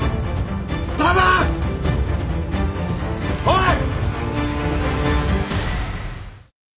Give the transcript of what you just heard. おい！